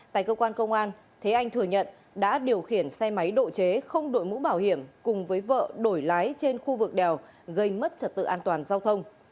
tại cơ quan công an thế anh thừa nhận đã điều khiển xe máy độ chế không đội mũ bảo hiểm cùng với vợ đổi lái trên khu vực đèo gây mất trật tự an toàn giao thông